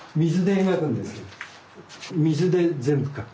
水で全部描く。